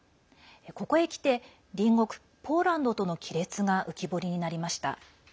ここへきて隣国ポーランドとの亀裂が浮き彫りになりました。